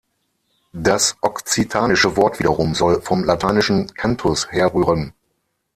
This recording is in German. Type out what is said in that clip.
Das okzitanische Wort wiederum soll vom lateinischen „canthus“ herrühren.